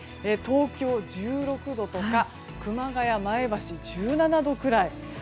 東京、１６度とか熊谷、前橋、１７度くらい。